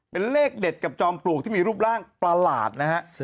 เป็นเลขเด็ดกับจอมปลวกที่มีรูปร่างประหลาดนะฮะ